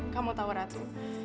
kamu tahu ratu